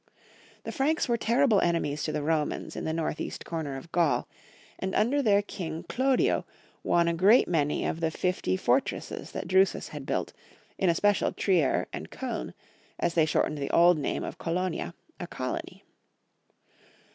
The Franks were terrible enemies to the Romans in the north east corner of Gaul, and under their King Chlodio won a great many of the fifty for tresses that Drusus had built, in especial Trier and Koln, as they shortened the old name of Colonia, a colony.